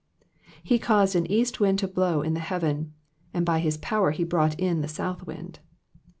26 He caused an east wind to blow in the heaven : and by his power he brought in the south wind.